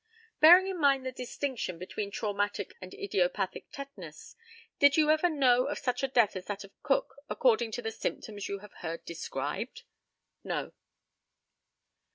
Bearing in mind the distinction between traumatic and idiopathic tetanus, did you ever know of such a death as that of Cook according to the symptoms you have heard described? No.